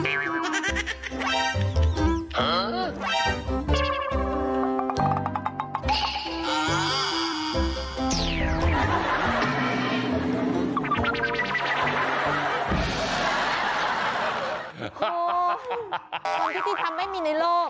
ความยุติธรรมไม่มีในโลก